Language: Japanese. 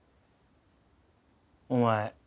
お前